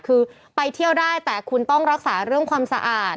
คือไปเที่ยวได้แต่คุณต้องรักษาเรื่องความสะอาด